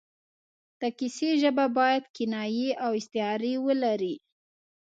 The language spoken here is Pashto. د کیسې ژبه باید کنایې او استعارې ولري.